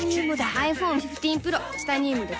ｉＰｈｏｎｅ１５Ｐｒｏ チタニウムで登場